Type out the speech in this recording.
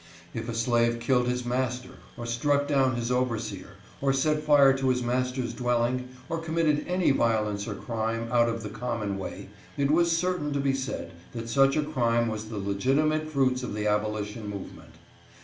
If a slave killed his master, or struck down his overseer, or set fire to his master's dwell ing, or committed any violence or crime, out of the com mon way, it was certain to be said that such a crime was the legitimate fruits of the abolition movement.